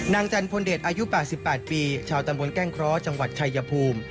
นางจันทร์ภนเดชอายุป้า๑๘ปีชาวตำรวจแก้งเคราะห์จังหวัดไทยภูมิ